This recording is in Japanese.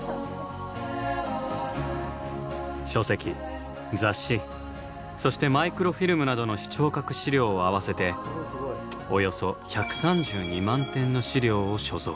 書籍・雑誌そしてマイクロフィルムなどの視聴覚資料を合わせておよそ１３２万点の資料を所蔵。